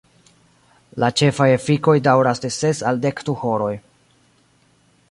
La ĉefaj efikoj daŭras de ses al dekdu horoj.